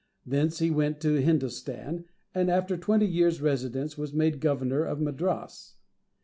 Thence he went to Hindostan, and after twenty years' residence, was made Governor of Madras.